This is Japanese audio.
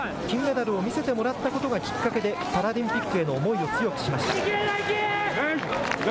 金メダルを見せてもらったことがきっかけでパラリンピックへの思いを強くしました。